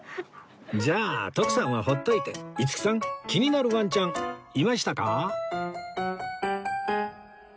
じゃあ徳さんはほっといて五木さん気になるワンちゃんいましたか？